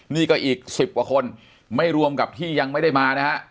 นี่ก็อีก๑๐กว่าคนไม่รวมกับที่ยังไม่ได้มานะฮะ